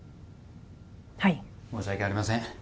はい申し訳ありません